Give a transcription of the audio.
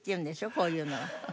こういうのは。